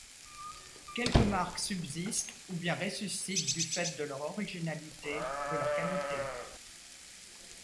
Quelques marques subsistent ou bien ressuscitent du fait de leur originalité, de leur qualité.